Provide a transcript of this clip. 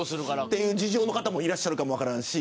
という事情の方もいらっしゃるかも分からんし。